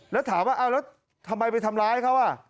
แล้วถามว่าเอาแล้วทำไมไปทำร้ายเขา